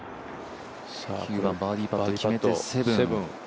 バーディーパット決めて７。